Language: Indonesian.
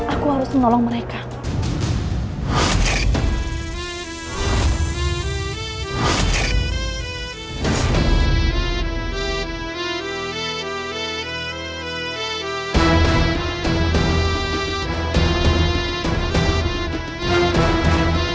aku harus telong melihat kamu